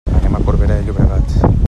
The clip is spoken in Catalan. Anem a Corbera de Llobregat.